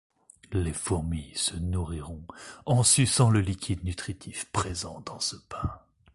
Les fourmis se nourriront en suçant le liquide nutritif présent dans ce pain.